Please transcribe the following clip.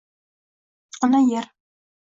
Ona-Yer